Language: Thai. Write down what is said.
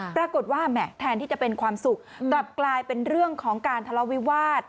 แหม่แทนที่จะเป็นความสุขกลับกลายเป็นเรื่องของการทะเลาวิวาส